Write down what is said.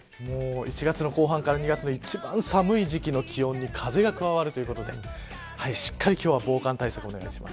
１月の後半から２月の一番寒い時期の気温に風が加わるということでしっかり今日は防寒対策をお願いします。